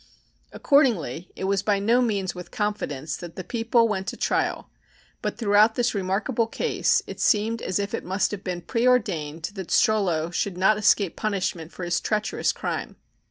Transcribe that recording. Accordingly it was by no means with confidence that the People went to trial, but throughout this remarkable case it seemed as if it must have been preordained that Strollo should not escape punishment for his treacherous crime.